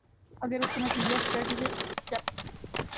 اگر اس کا نتیجہ سٹریٹجک ڈیپتھ